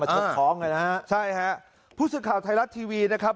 ชกท้องไงนะฮะใช่ฮะผู้สื่อข่าวไทยรัฐทีวีนะครับ